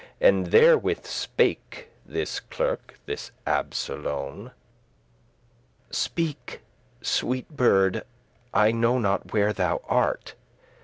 And therewith spake this clerk, this Absolon, "Speak, sweete bird, I know not where thou art."